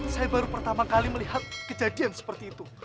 saya baru pertama kali melihat kejadian seperti itu